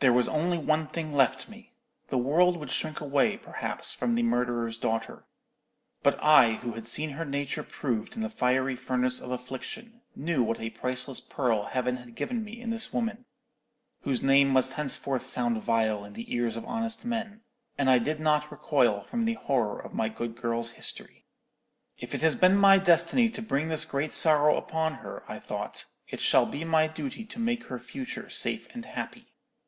"There was only one thing left me. The world would shrink away, perhaps, from the murderer's daughter; but I, who had seen her nature proved in the fiery furnace of affliction, knew what a priceless pearl Heaven had given me in this woman, whose name must henceforward sound vile in the ears of honest men, and I did not recoil from the horror of my poor girl's history. "'If it has been my destiny to bring this great sorrow upon her,' I thought, 'it shall be my duty to make her future safe and happy.'